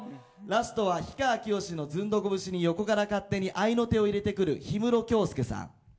ラストは氷川きよしの「ズンドコ節」に横から勝手に合いの手を入れてくる氷室京介さん。